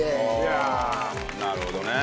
なるほどね。